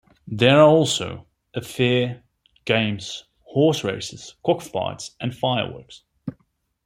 There are also: a fair, games, horse races, cockfights and fireworks.